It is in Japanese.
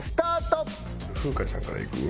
風花ちゃんからいく？